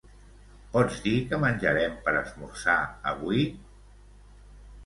Pots dir què menjarem per esmorzar avui?